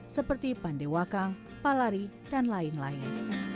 seperti pandewakang palari dan lain lain